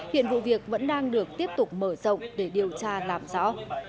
hiện vụ việc vẫn đang được tiếp tục mở rộng để điều tra làm rõ